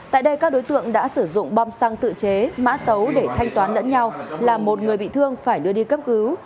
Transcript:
tại đây các đối tượng đã sử dụng bom xăng tự chế mã tấu để thanh toán lẫn nhau làm một người bị thương phải đưa đi cấp cứu